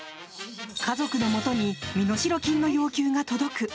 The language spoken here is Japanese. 家族のもとに身代金の要求が届く。